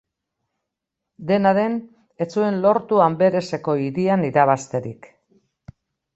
Dena den, ez zuen lortu Anbereseko hirian irabazterik.